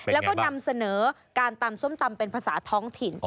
แล้วก็นำเสนอการตำส้มตำเป็นภาษาท้องถิ่น